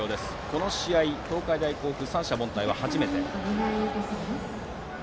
この試合、東海大甲府三者凡退は初めて。